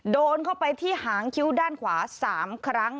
โดนเข้าไปที่หางคิ้วด้านขวา๓ครั้ง